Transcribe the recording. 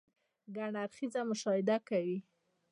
ګڼ اړخيزه مشاهده کوئ -